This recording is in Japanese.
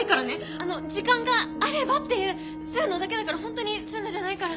あの時間があればっていうそういうのだけだから本当にそういうのじゃないから。